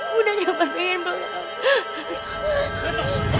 bunda nyaman pengen banget